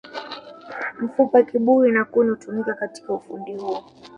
Mfupa kibuyu na kuni hutumika katika ufundi huo